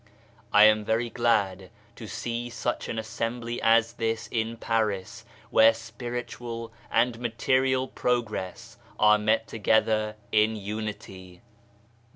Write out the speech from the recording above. "L'ALLIANCE SPIRITUALISTS " 77 I am very glad to see such an assembly as this in Paris, where spiritual and material progress are met together in unity.